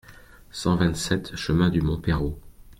cent vingt-sept chemin du Mont Perrot